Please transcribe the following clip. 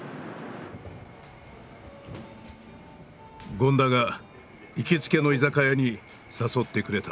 権田が行きつけの居酒屋に誘ってくれた。